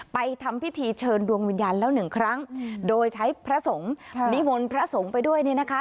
ทำพิธีเชิญดวงวิญญาณแล้วหนึ่งครั้งโดยใช้พระสงฆ์นิมนต์พระสงฆ์ไปด้วยเนี่ยนะคะ